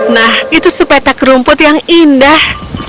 nah itu sepetak rumput yang indah